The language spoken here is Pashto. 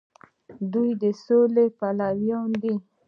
دوی د سولې پلویان دي.